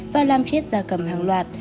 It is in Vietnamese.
và làm chết da cầm hàng loạt